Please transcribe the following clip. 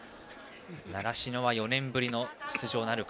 習志野は４年ぶりの出場なるか。